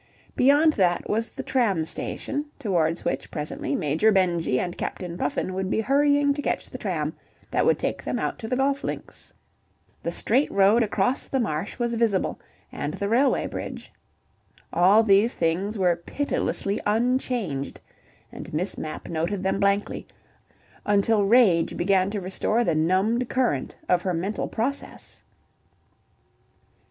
Beyond that was the tram station towards which presently Major Benjy and Captain Puffin would be hurrying to catch the tram that would take them out to the golf links. The straight road across the marsh was visible, and the railway bridge. All these things were pitilessly unchanged, and Miss Mapp noted them blankly, until rage began to restore the numbed current of her mental processes.